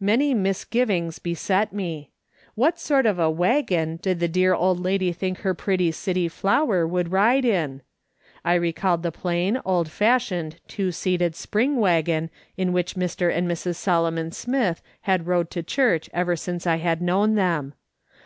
Many misgivings beset me. What sort of a "wag gon" did the dear old lady think her pretty city flower would ride in ! I recalled the plain, old fashioned, two seated spring waggon in which Mr. and Mrs. Solomon Smith had rode to church ever since I had known them.